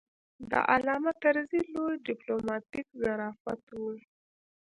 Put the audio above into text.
د علامه طرزي لوی ډیپلوماتیک ظرافت و.